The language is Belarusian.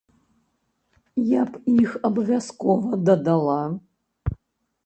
Я б іх абавязкова дадала.